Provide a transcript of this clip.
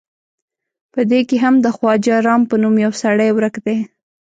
په دې کې هم د خواجه رام په نوم یو سړی ورک دی.